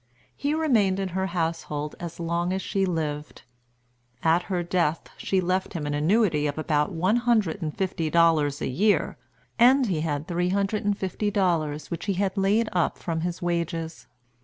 He remained in her household as long as she lived. At her death, she left him an annuity of about one hundred and fifty dollars a year; and he had three hundred and fifty dollars, which he had laid up from his wages.